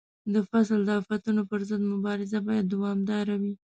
د فصل د آفتونو پر ضد مبارزه باید دوامداره وي.